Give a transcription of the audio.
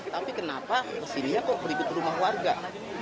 tapi kenapa kesininya kok berikut rumah warga